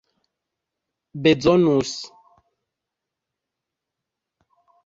bezonus